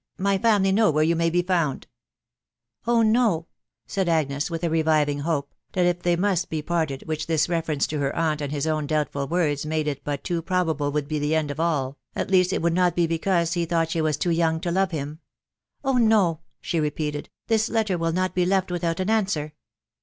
. my family, know where yon may be found !"" Oh no !".... said Agnes wi^Ji a reviving hope, that if they must be parted, which this reference to her aunt and his own doubtful words made it but too potable would be the end of all, at least it would not be because ba \ta\j\j^\. &>&^*%* to* THE WIDOW BABNABY. ' 376 young to love him ...." Oh no !" she repeated ;" this letter will not be left without an answer.